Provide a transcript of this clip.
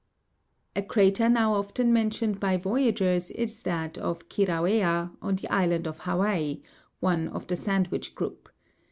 A crater now often mentioned by voyagers is that of Kirauea, on the island of Hawaii, one of the Sandwich group.